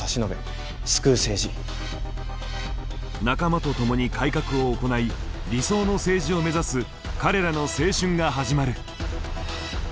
仲間と共に改革を行い理想の政治を目指す彼らの青春が始まる。